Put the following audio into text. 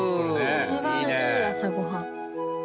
一番いい朝ご飯。